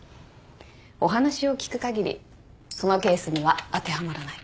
お話を聞く限りそのケースには当てはまらない。